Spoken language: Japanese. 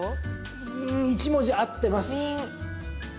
うーん、１文字合ってます。